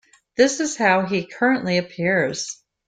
This is how he currently appears.